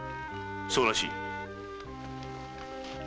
そうらしい。